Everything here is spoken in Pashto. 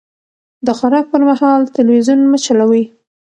د خوراک پر مهال تلويزيون مه چلوئ.